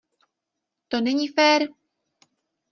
To není fér!